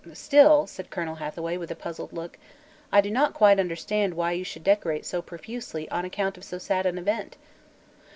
"Still," said Colonel Hathaway, with a puzzled look, "I do not quite understand why you should decorate so profusely on account of so sad an event."